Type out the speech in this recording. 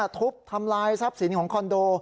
ทุบทำลายทรัพย์สินของคอนโด